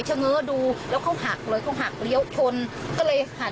ยังโสดด้วยนะ